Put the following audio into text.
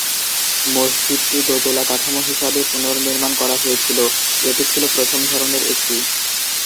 মসজিদটি দোতলা কাঠামো হিসাবে পুনর্নির্মাণ করা হয়েছিল, এটি ছিল প্রথম ধরনের একটি।